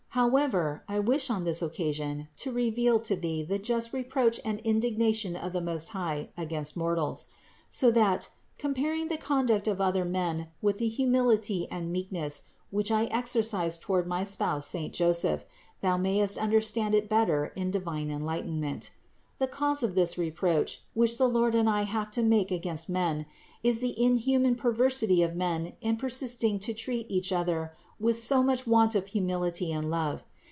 415. However, I wish on this occasion to reveal to thee the just reproach and indignation of the Most High against mortals ; so that, comparing the conduct of other men with the humility and meekness, which I exercised toward my spouse saint Joseph, thou mayest understand it better in divine enlightenment. The cause of this reproach, which the Lord and I have to make against men, is the inhuman perversity of men in persisting to treat each other with so much want of humility and love.